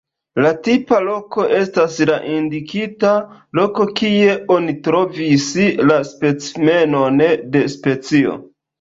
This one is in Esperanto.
La tipa loko estas la indikita loko kie oni trovis la specimenon de specio.